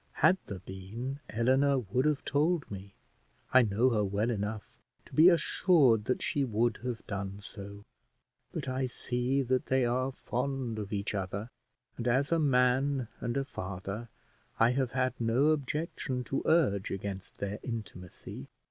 Had there been, Eleanor would have told me; I know her well enough to be assured that she would have done so; but I see that they are fond of each other; and as a man and a father, I have had no objection to urge against their intimacy."